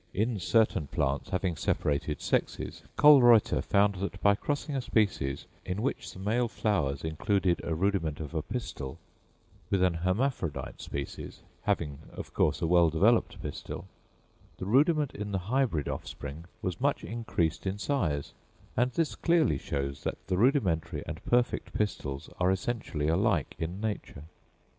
In certain plants having separated sexes Kölreuter found that by crossing a species, in which the male flowers included a rudiment of a pistil, with an hermaphrodite species, having of course a well developed pistil, the rudiment in the hybrid offspring was much increased in size; and this clearly shows that the rudimentary and perfect pistils are essentially alike in nature.